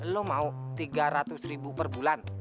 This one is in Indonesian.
lo mau rp tiga ratus ribu per bulan